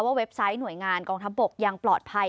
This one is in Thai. เว็บไซต์หน่วยงานกองทัพบกยังปลอดภัย